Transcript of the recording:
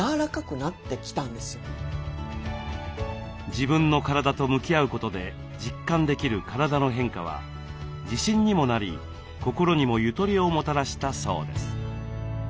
自分の体と向き合うことで実感できる体の変化は自信にもなり心にもゆとりをもたらしたそうです。